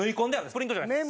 プリントじゃないです。